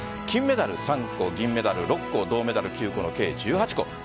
金メダル３個、銀メダル６個銅メダル９個の計１８個。